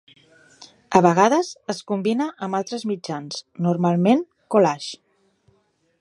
A vegades es combina amb altres mitjans, normalment collage.